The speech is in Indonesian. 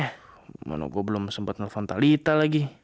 gimana gua belum sempat nelfon talita lagi